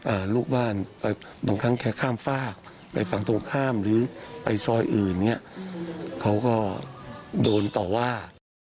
ลูกบ้านไปบางครั้งแค่ข้ามฝากไปฝั่งตรงข้ามหรือไปซอยอื่นเนี้ยเขาก็โดนต่อว่า